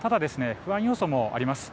不安要素もあります。